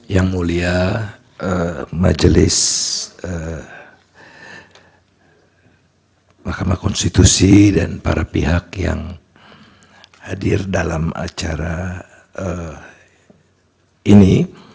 yang mulia majelis mahkamah konstitusi dan para pihak yang hadir dalam acara ini